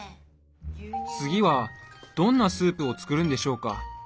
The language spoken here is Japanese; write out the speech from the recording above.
次はどんなスープを作るんでしょうか？